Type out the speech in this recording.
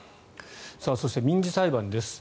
そして民事裁判です。